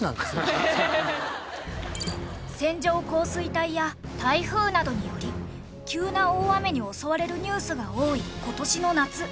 線状降水帯や台風などにより急な大雨に襲われるニュースが多い今年の夏。